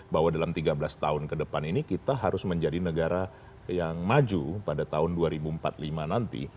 bahwa dalam tiga belas tahun ke depan ini kita harus menjadi negara yang maju pada tahun dua ribu empat puluh lima nanti